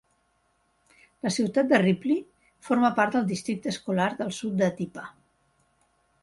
La ciutat de Ripley forma part del districte escolar del Sud de Tippah.